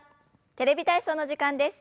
「テレビ体操」の時間です。